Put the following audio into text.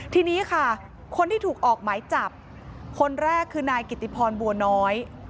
ทีนี้ค่ะคนที่ถูกออกหมายจับคนแรกคือนายกิติพรบัวน้อย